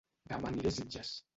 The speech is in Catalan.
Dema aniré a Sitges